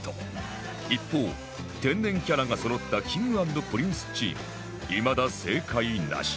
一方天然キャラがそろった Ｋｉｎｇ＆Ｐｒｉｎｃｅ チームいまだ正解なし